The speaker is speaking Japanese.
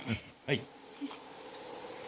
はい。